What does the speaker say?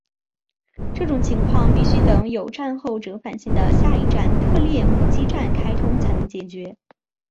这种情况必须等有站后折返线的下一站特列姆基站开通才能解决。